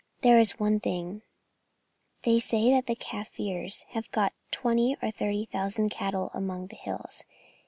There is one thing they say that the Kaffirs have got twenty or thirty thousand cattle among the hills.